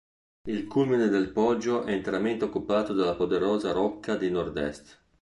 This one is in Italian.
Il culmine del poggio è interamente occupato dalla poderosa rocca di nord-est.